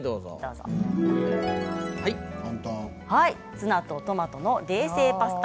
ツナとトマトの冷製パスタ